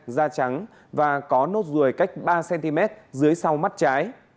da trắng và có nốt ruồi cách ba cm dưới sau mắt trái